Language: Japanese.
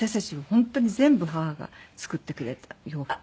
本当に全部母が作ってくれた洋服を。